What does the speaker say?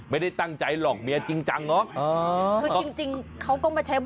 ประจำ